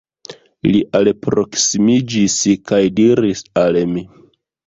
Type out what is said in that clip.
Li alproksimiĝis kaj diris al mi.